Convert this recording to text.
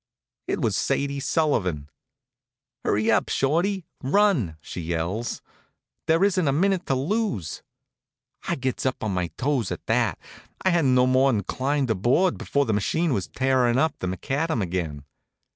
It was Sadie Sullivan. "Hurry up, Shorty! Run!" she yells. "There isn't a minute to lose." I gets up on my toes at that, and I hadn't no more'n climbed aboard before the machine was tearin' up the macadam again.